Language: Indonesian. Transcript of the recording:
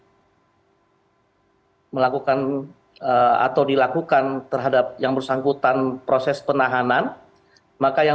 hai melakukan atau dilakukan terhadap yang bersangkutan proses penahanan maka yang